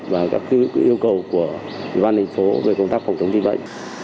và các yêu cầu của ủy ban thành phố về công tác phòng chống dịch bệnh